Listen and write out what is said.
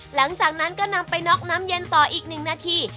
หลังจากนั้นก็นำไปน็อกน้ำเย็นต่ออีก๑นาที